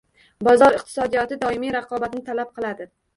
Bozor iqtisodiyoti doimiy raqobatni talab qiladi